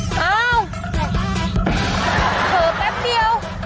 ตัดที่๒